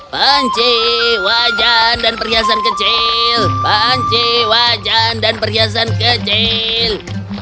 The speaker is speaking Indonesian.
panci wajan dan perhiasan kecil panci wajan dan perhiasan kecil